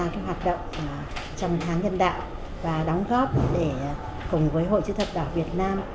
các hoạt động trong tháng nhân đạo và đóng góp để cùng với hội chữ thập đỏ việt nam